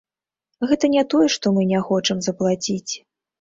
Гэта не тое што мы не хочам заплаціць.